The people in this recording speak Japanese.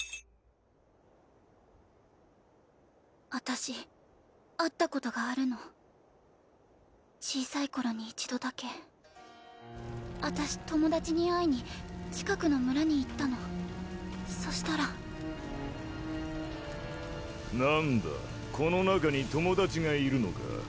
私会ったことがあるの小さい頃に一度だけ私友達に会いに近くの村に行ったのそしたら何だこの中に友達がいるのか